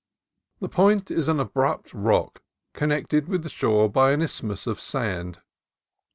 The Point is an abrupt rock connected with the shore by an isthmus of sand.